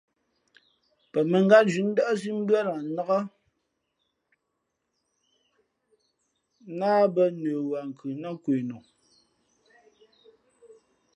Pαmᾱngátnzhʉ̌ʼ ndάʼsí mbʉ́ά lah nnák nāh mbᾱ nəwaankhʉ̌ nά kwe nu.